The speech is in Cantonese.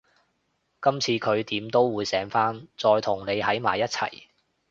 今次佢點都會醒返，再同你喺埋一齊